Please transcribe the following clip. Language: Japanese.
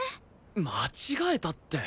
間違えたって。